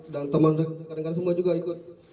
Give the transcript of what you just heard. dan teman teman semua juga ikut